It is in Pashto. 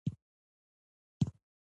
راکټ د ساینس نړۍ ته نوې دروازه خلاصه کړې